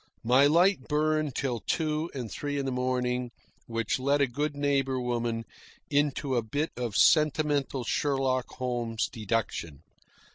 My light burned till two and three in the morning, which led a good neighbour woman into a bit of sentimental Sherlock Holmes deduction.